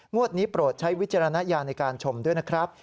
นี้โปรดใช้วิจารณญาณในการชมด้วยนะครับ